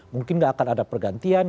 mungkin tidak akan ada pergantian